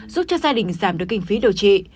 giúp cho gia đình giảm được kinh phí điều trị